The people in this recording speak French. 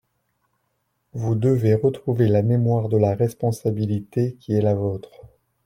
Vous devez retrouver la mémoire de la responsabilité qui est la vôtre.